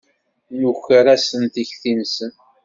Nuker-asen tikti-nsen.